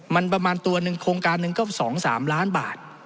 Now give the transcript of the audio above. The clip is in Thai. มันประมาณตัวหนึ่งโครงการหนึ่งก็๒๓ล้านบาท